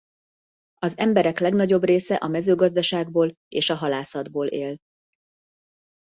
Az emberek legnagyobb része a mezőgazdaságból és a halászatból él.